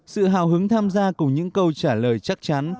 sự hào hứng tham gia cùng những câu trả lời chắc chắn